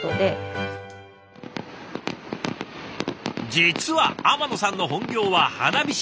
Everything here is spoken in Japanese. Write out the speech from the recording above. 実は天野さんの本業は花火師。